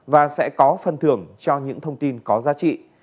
và sẽ có phần thưởng cho những thông tin có giá trị